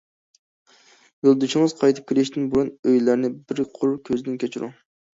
يولدىشىڭىز قايتىپ كېلىشتىن بۇرۇن ئۆيلەرنى بىر قۇر كۆزدىن كەچۈرۈڭ.